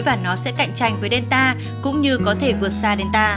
và nó sẽ cạnh tranh với delta cũng như có thể vượt xa delta